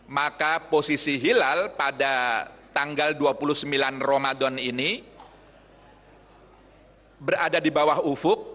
maka posisi hilal pada tanggal dua puluh sembilan ramadan ini berada di bawah ufuk